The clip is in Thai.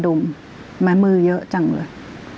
คุณแม่ก็ไม่อยากคิดไปเองหรอก